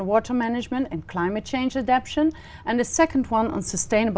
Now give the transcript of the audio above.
muốn mang lại một gương ứng cho người ngoài việt nam